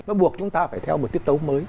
nó buộc chúng ta phải theo một tiết tấu mới